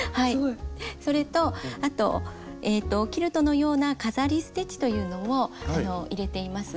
それとあとキルトのような飾りステッチというのも入れています。